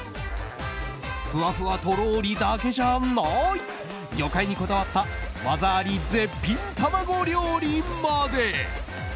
ふわふわとろーりだけじゃない魚介にこだわった技あり絶品卵料理まで。